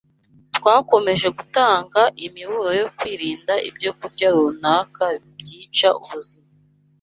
Twakomeje gutanga imiburo yo kwirinda ibyokurya runaka byica ubuzima